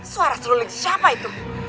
suara seruling siapa itu